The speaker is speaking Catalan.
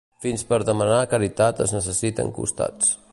Fins per demanar caritat es necessiten costats.